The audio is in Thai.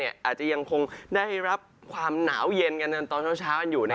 อาจจะยังได้รับความหนาวเย็นทั้งตอนด้านเช้าอยู่